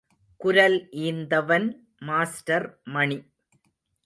குரல் ஈந்தவன் மாஸ்டர் மணி.